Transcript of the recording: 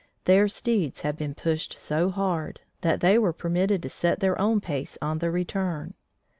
Their steeds had been pushed so hard, that they were permitted to set their own pace on the return.